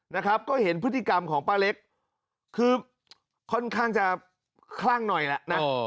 นะครับก็เห็นพฤติกรรมของป้าเล็กคือค่อนข้างจะคลั่งหน่อยแล้วนะ